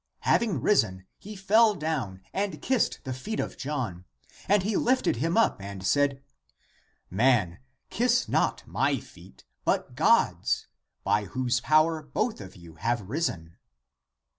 Having risen, he fell down and kissed the feet of John. And he lifted him up and said, " Man, kiss not my feet, but God's ; by whose power both of you have risen